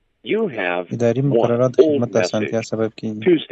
اداري مقررات د خدمت د اسانتیا سبب کېږي.